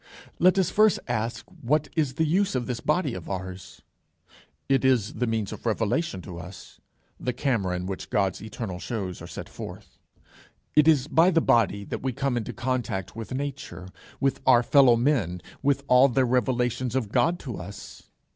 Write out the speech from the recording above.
Let us first ask what is the use of this body of ours. It is the means of Revelation to us, the camera in which God's eternal shows are set forth. It is by the body that we come into contact with Nature, with our fellow men, with all their revelations of God to us.